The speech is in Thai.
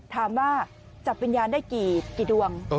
ถามว่าจับวิญญาณได้กี่ดวง